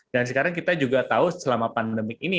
dan sekarang kita juga tahu selama pandemi ini